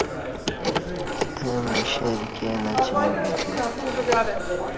ستمع شیر ایکی نچیں ویتے